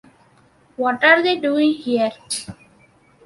What are they doing here?